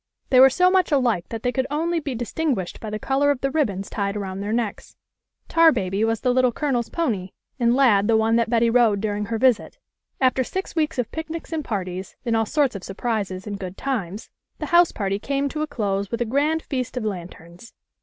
They were so much alike they could only be distinguished by the colour of the ribbons tied around their necks. Tarbaby was the Little Colonel's pony, and Lad the one that Betty rode during her visit. After six weeks of picnics and parties, and all sorts of surprises and good times, the house party came to a close with a grand feast of lanterns.